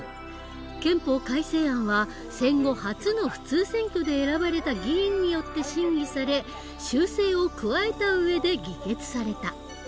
憲法改正案は戦後初の普通選挙で選ばれた議員によって審議され修正を加えた上で議決された。